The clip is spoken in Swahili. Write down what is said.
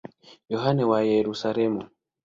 Yohane wa Yerusalemu.